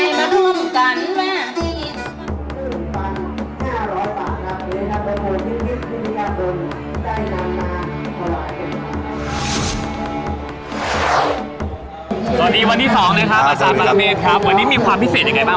สวัสดีวันนี้นี่สองเลยครับอาจารย์บาลมีความพิเศษอย่างไรบ้าง